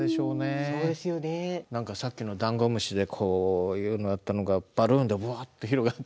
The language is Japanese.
さっきのダンゴムシでこういうのだったのがバルーンでワーッと広がって。